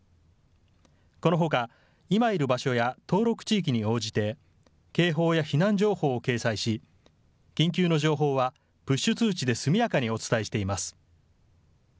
このほか、今いる場所や登録地域に応じて警報や避難情報を掲載し緊急の情報はプッシュ通知で速やかにお伝えしています。